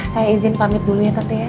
saya izin pamit dulu ya tante ya